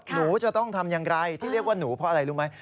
หนูจะต้องทำอย่างไรที่เรียกว่าหนูเพราะอะไรรู้ไหม